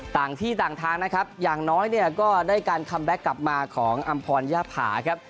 ต่างที่ต่างทางนะครับอย่างน้อยเนี่ยก็ได้การคัมแบ็คกลับมาของอำพรย่าผาครับ